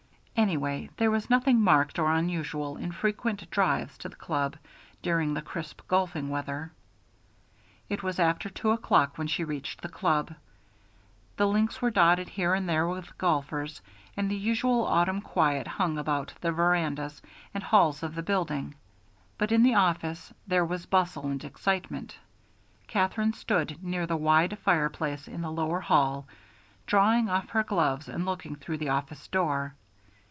Anyway, there was nothing marked or unusual in frequent drives to the club during this crisp golfing weather. It was after two o'clock when she reached the club. The links were dotted here and there with golfers, and the usual autumn quiet hung about the verandas and halls of the building, but in the office there was bustle and excitement. Katherine stood near the wide fireplace in the lower hall drawing off her gloves and looking through the office door.